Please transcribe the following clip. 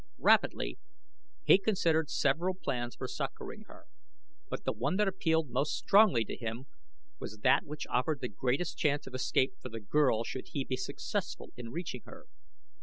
Rapidly he considered several plans for succoring her; but the one that appealed most strongly to him was that which offered the greatest chance of escape for the girl should he be successful in reaching her.